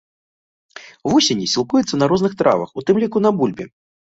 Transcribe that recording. Вусені сілкуюцца на розных травах, у тым ліку на бульбе.